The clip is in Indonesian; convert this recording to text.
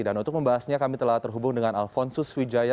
dan untuk membahasnya kami telah terhubung dengan alfonso suwijaya